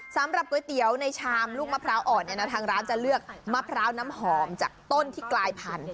สำหรับก๋วยเตี๋ยวในชามลูกมะพร้าวอ่อนเนี่ยนะทางร้านจะเลือกมะพร้าวน้ำหอมจากต้นที่กลายพันธุ